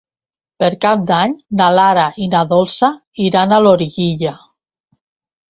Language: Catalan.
Per Cap d'Any na Lara i na Dolça iran a Loriguilla.